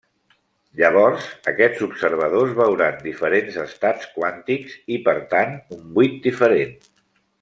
Llavors, aquests observadors veuran diferents estats quàntics i, per tant, un buit diferent.